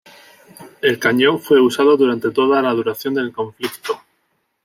El cañón fue usado durante toda la duración del conflicto.